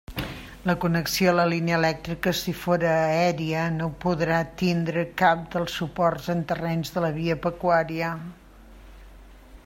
La connexió a la línia elèctrica, si fóra aèria, no podrà tindre cap dels suports en terrenys de la via pecuària.